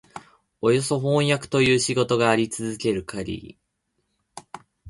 およそ飜訳という仕事があり続けるかぎり、